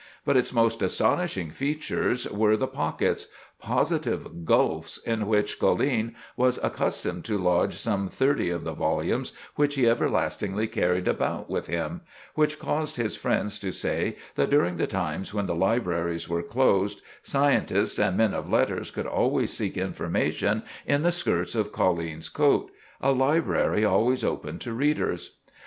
But its most astonishing features were the pockets—"positive gulfs, in which Colline was accustomed to lodge some thirty of the volumes which he everlastingly carried about with him; which caused his friends to say that during the times when the libraries were closed scientists and men of letters could always seek information in the skirts of Colline's coat—a library always open to readers."